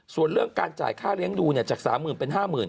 ส่วนเรื่องการจ่ายค่าเลี้ยงดูจาก๓๐๐๐เป็น๕๐๐๐